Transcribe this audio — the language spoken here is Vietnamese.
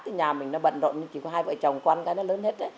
thì nhà mình nó bận rộn chỉ có hai vợ chồng con cái nó lớn hết